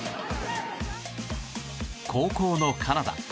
後攻のカナダ。